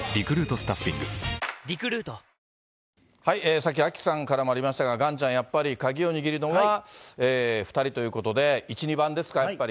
さっきアキさんからもありましたが、ありましたが、岩ちゃん、やっぱり鍵を握るのが２人ということで、１、２番ですか？